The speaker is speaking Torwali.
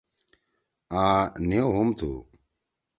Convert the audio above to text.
آں نھیؤ ہُم تھو۔